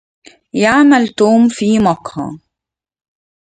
يعمل توم في مقهى.